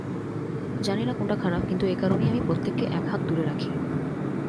জানি না কোনটা খারাপ, কিন্তু একারণেই আমি প্রত্যেককে এক হাত দূরে রাখি।